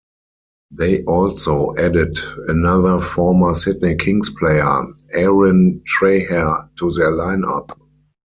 They also added another former Sydney Kings player Aaron Trahair to their line-up.